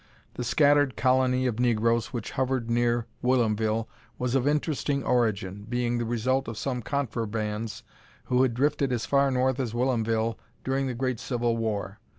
The scattered colony of negroes which hovered near Whilomville was of interesting origin, being the result of some contrabands who had drifted as far north as Whilomville during the great civil war.